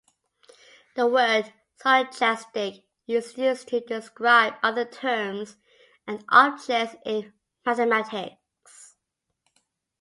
The word "stochastic" is used to describe other terms and objects in mathematics.